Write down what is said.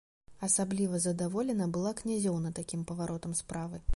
Асабліва задаволена была князёўна такім паваротам справы.